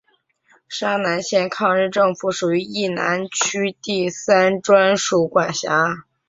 沙南县抗日政府属于冀南区第三专署管辖。